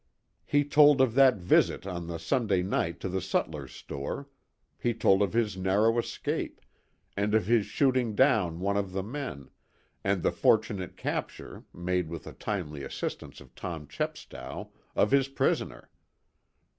He told of that visit on the Sunday night to the sutler's store, he told of his narrow escape, and of his shooting down one of the men, and the fortunate capture, made with the timely assistance of Tom Chepstow, of his prisoner.